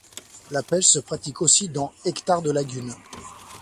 La pêche se pratique aussi dans hectares de lagunes.